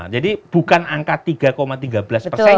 sepanjang karir mas burhan